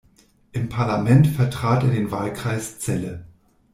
Im Parlament vertrat er den Wahlkreis Celle.